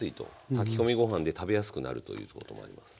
炊き込みご飯で食べやすくなるということもあります。